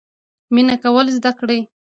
مینه کول زده کړئ